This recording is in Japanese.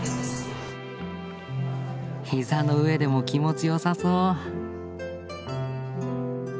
膝の上でも気持ちよさそう。